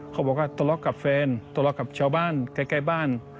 เขาบอกว่าตลกกับแฟนตลกกับชาวบ้านใกล้บ้าน